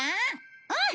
うん！